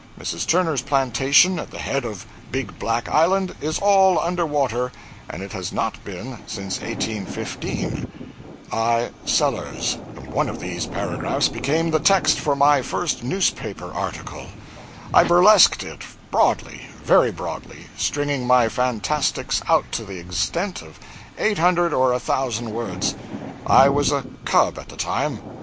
Mrs. Turner's plantation at the head of Big Black Island is all under water, and it has not been since 1815. 'I. Sellers.']} became the text for my first newspaper article. I burlesqued it broadly, very broadly, stringing my fantastics out to the extent of eight hundred or a thousand words. I was a 'cub' at the time.